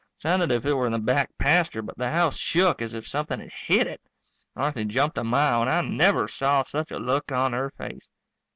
Sounded if it were in the back pasture but the house shook as if somethin' had hit it. Marthy jumped a mile and I never saw such a look on her face.